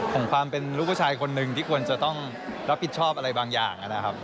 ของความเป็นลูกผู้ชายคนหนึ่งที่ควรจะต้องรับผิดชอบอะไรบางอย่างนะครับ